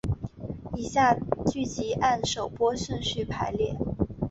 以下剧集按照首播顺序排列。